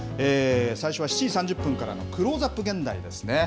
最初は７時３０分からクローズアップ現代ですね。